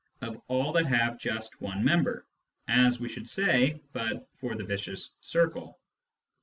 of all that have just one member, as we should say but for the vicious circle.